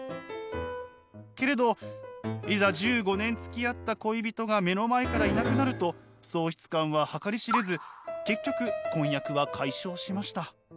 けれどいざ１５年つきあった恋人が目の前からいなくなると喪失感は計り知れず結局婚約は解消しました。